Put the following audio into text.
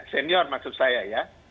senior maksud saya ya